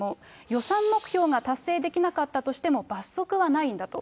予算目標が達成できなかったとしても罰則はないんだと。